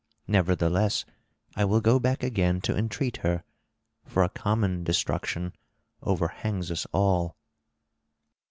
Nevertheless I will go back again to entreat her, for a common destruction overhangs us all."